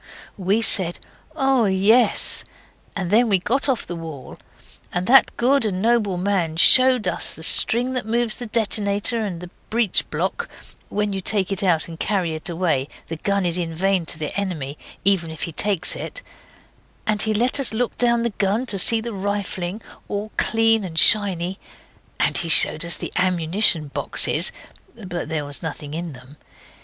We said, 'Oh, yes', and then we got off the wall, and that good and noble man showed us the string that moves the detonator and the breech block (when you take it out and carry it away the gun is in vain to the enemy, even if he takes it); and he let us look down the gun to see the rifling, all clean and shiny and he showed us the ammunition boxes, but there was nothing in them.